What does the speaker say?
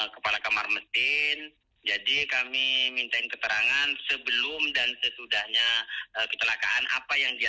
kepala kamar mesin jadi kami minta keterangan sebelum dan sesudahnya kecelakaan apa yang dia